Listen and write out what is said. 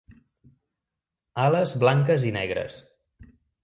Ales blanques i negres.